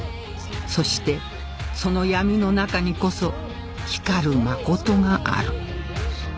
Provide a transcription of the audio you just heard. そしてその闇の中にこそ光る真がある